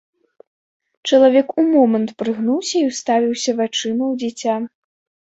Чалавек умомант прыгнуўся і ўставіўся вачыма ў дзіця.